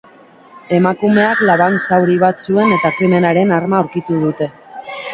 Emakumeak laban zauri bat zuen eta krimenaren arma aurkitu dute.